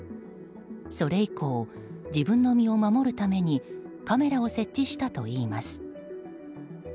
それ以降、自分の身を守るためにカメラを設置したといいます。